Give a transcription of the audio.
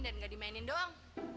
dan gak dimainin doang